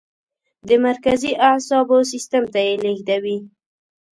د مرکزي اعصابو سیستم ته یې لیږدوي.